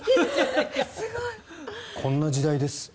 こんな時代です。